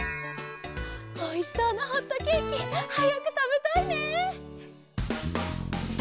おいしそうなホットケーキはやくたべたいね！